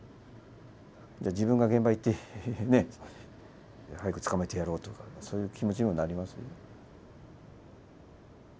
じゃあ自分が現場行ってね早く捕まえてやろうとかそういう気持ちにもなりますよ。